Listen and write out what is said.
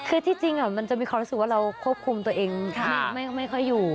คือที่จริงมันจะมีความรู้สึกว่าเราควบคุมตัวเองไม่ค่อยอยู่